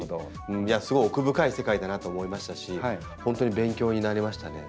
すごい奥深い世界だなと思いましたし本当に勉強になりましたね。